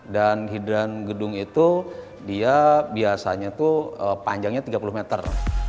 dan hidran gedung itu dia biasanya itu panjangnya tiga puluh meter